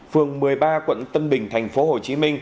phường một mươi ba quận tân bình tp hcm